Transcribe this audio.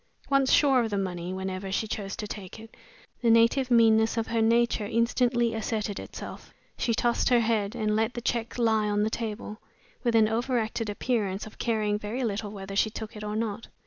Once sure of the money whenever she chose to take it, the native meanness of her nature instantly asserted itself. She tossed her head, and let the check lie on the table, with an overacted appearance of caring very little whether she took it or not.